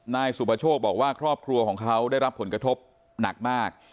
นายสุประโชคบอกว่าครอบครัวของเขาได้รับผลกระทบหนักมาก